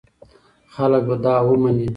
خلک به دا ومني.